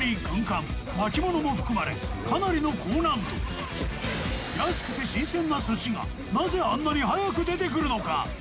軍艦巻物も含まれかなりの高難度安くて新鮮な寿司がなぜあんなに早く出てくるのか？